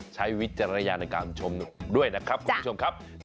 วิจารณญาณในการชมด้วยนะครับคุณผู้ชมครับ